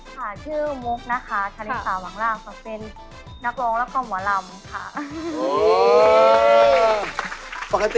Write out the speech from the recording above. ค่ะชื่อมุกนะคะจาเลนส์๓หลังก็เป็นนักร้องและก็หมอลำค่ะ